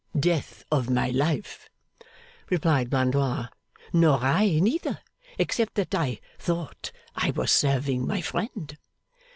'Death of my life,' replied Blandois, 'nor I neither, except that I thought I was serving my friend.